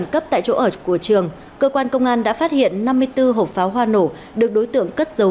cấp tại chỗ ở của trường cơ quan công an đã phát hiện năm mươi bốn hộp pháo hoa nổ được đối tượng cất giấu